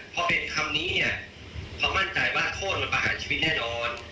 พอเป็นคำนี้เนี่ยพอมั่นใจว่าโทษมันประหารชีวิตแน่นอน